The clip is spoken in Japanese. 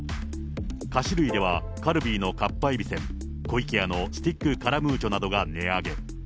菓子類ではカルビーのかっぱえびせん、湖池屋のスティックカラムーチョなどが値上げ。